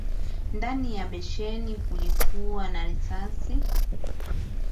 Ndani ya beseni kulikua na risasi